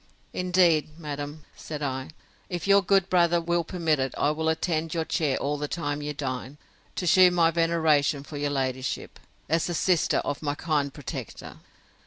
—Indeed, madam, said I, if your good brother will permit it, I will attend your chair all the time you dine, to shew my veneration for your ladyship, as the sister of my kind protector.